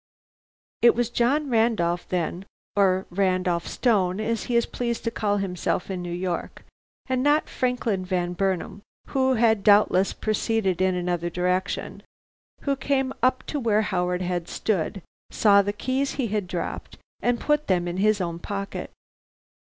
It was John Randolph, then, or Randolph Stone, as he is pleased to call himself in New York, and not Franklin Van Burnam (who had doubtless proceeded in another direction) who came up to where Howard had stood, saw the keys he had dropped, and put them in his own pocket.